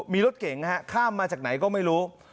มีรถเก่งข้ามมาจากไหนก็ไม่รู้